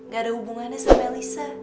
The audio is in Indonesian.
gak ada hubungannya sama lisa